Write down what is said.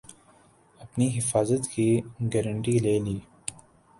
اپنی حفاظت کی گارنٹی لے لی